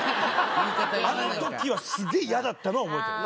あの時はすげぇ嫌だったのは覚えてる。